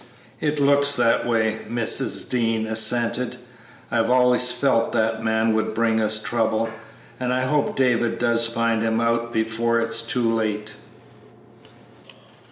"It looks that way," Mrs. Dean assented; "I've always felt that man would bring us trouble, and I hope David does find him out before it's too late."